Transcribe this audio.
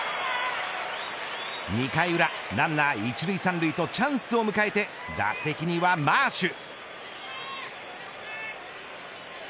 ２回裏ランナー１塁３塁とチャンスを迎えて打席にはマーシュ。